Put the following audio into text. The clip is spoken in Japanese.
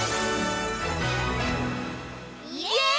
イエーイ！